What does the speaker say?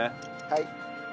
はい。